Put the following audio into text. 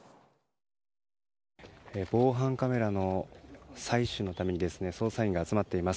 防犯カメラの採取のために捜査員が集まっています。